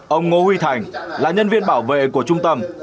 ông ngô huy thành là nhân viên bảo vệ của trung tâm